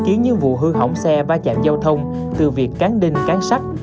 khiến những vụ hư hỏng xe ba chạm giao thông từ việc cán đinh cán sắt